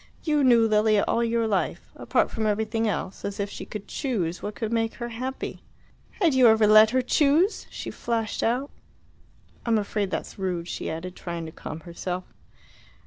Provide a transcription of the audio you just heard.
"You knew Lilia all your life. Apart from everything else as if she could choose what could make her happy!" "Had you ever let her choose?" she flashed out. "I'm afraid that's rude," she added, trying to calm herself.